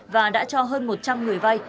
và đã cho hơn một trăm linh người vay